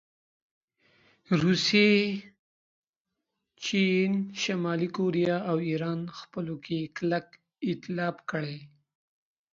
روسیې، چین، شمالي کوریا او ایران خپلو کې کلک ایتلاف کړی